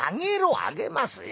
「上げますよ。